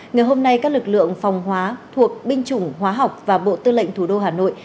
ngày hôm nay các lực lượng phòng hóa thuộc binh chủng hóa học và bộ tư lệnh thủ đô hà nội